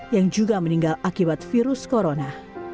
yang juga meninggal akibat virus corona